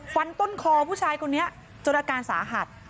ฟันต้นคอผู้ชายคนนี้จนอาการสาหัส